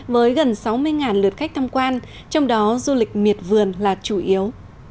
với gần sáu mươi lượt khách tham quan trong đó du lịch miệt vườn là chủ yếu